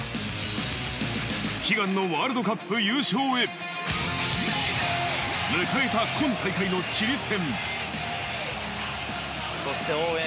悲願のワールドカップ優勝へ、迎えた今大会のチリ戦。